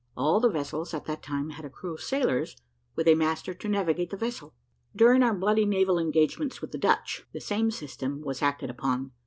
All the vessels at that time had a crew of sailors, with a master to navigate the vessel. During our bloody naval engagements with the Dutch, the same system was acted upon.